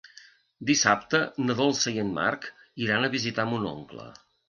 Dissabte na Dolça i en Marc iran a visitar mon oncle.